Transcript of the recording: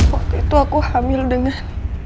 waktu itu aku hamil dengan